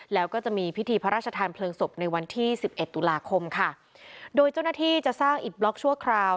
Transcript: แล้วก็จะมีพิธีพระราชทานเพลิงศพในวันที่สิบเอ็ดตุลาคมค่ะโดยเจ้าหน้าที่จะสร้างอิดบล็อกชั่วคราว